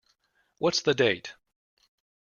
What's the date?